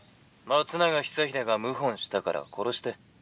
「松永久秀が謀反したから殺して」。